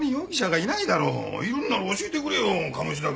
いるんなら教えてくれよ鴨志田君。